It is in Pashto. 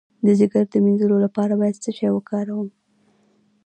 د ځیګر د مینځلو لپاره باید څه شی وکاروم؟